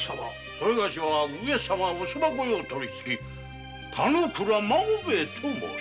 ⁉それがしは「上様御側御用取次」田之倉孫兵衛と申す。